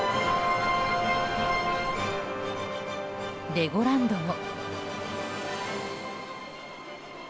レゴランドも。